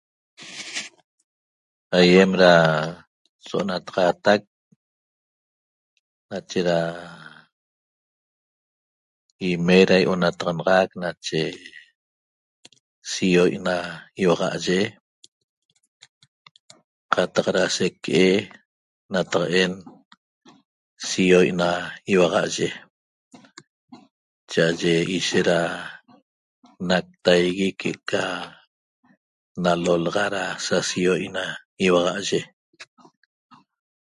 Aiem da sonataxataq nache da ime da yontaxanaxac nache si'o na ioxaye cataq se quee' nataqa'en sioo na ihuaxaye chaye ishet da nataegui que ca lalolaxa nache sioo na ihuayee